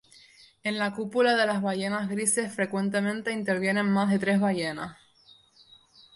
En la cópula de las ballenas grises frecuentemente intervienen más de tres ballenas.